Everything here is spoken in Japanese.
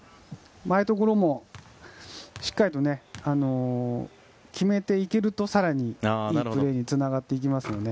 ああいうところもしっかりと決めていけると更にいいプレーにつながっていきますよね。